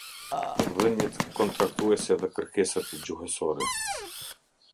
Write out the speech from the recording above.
Mardhëniet kontraktuese dhe kërkesat gjuhësore.